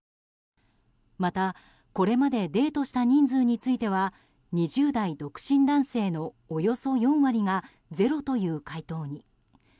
また、これまでデートした人数については２０代独身男性のおよそ４割がゼロという回答に。